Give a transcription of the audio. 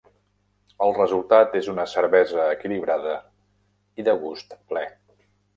El resultat és una cervesa equilibrada i de gust ple.